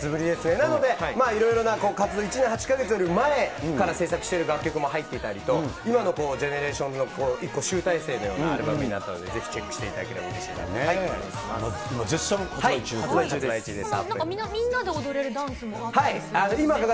なので、いろいろな活動、１年８か月より前から制作している楽曲も入っていたりと、今のＧＥＮＥＲＡＴＩＯＮＳの一個、集大成のようなアルバムになっているので、ぜひチェックして頂けたらうれしいです。